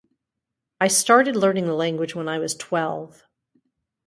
I started learning the language when I was twelve.